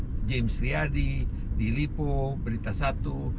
di james riyadi di lipo berita satu